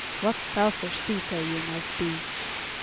What selfish people you must be!